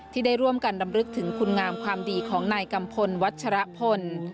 ที่ได้ร่วมกันรำลึกถึงคุณงามความดีของนายกัมพลวัชรพล